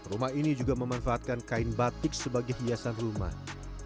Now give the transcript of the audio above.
rumah ini juga memanfaatkan kain batik sebagai hiasan rumah